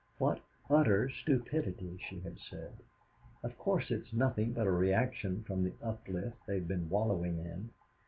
What utter stupidity, she had said. Of course it's nothing but a reaction from the uplift they have been wallowing in.